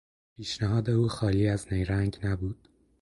پیشنهاد او خالی از نیرنگ نبود.